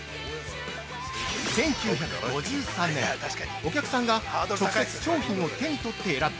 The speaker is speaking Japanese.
１９５３年、お客さんが直接商品を手に取って選ぶ